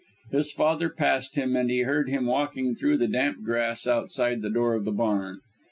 His father passed him, and he heard him walking through the damp grass outside the door of the barn.